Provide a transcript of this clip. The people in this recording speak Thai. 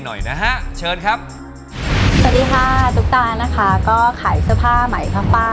หน่อยนะฮะเชิญครับสวัสดีค่ะตุ๊กตานะคะก็ขายเสื้อผ้าใหม่ข้างป้า